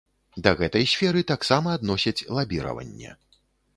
Да гэтай сферы таксама адносяць лабіраванне.